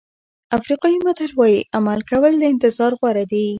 افریقایي متل وایي عمل کول له انتظار غوره دي.